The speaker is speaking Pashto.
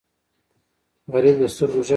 غریب د سترګو ژبه لري